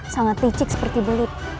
sangat licik seperti bulit